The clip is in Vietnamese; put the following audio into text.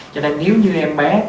cho nên nếu như em bé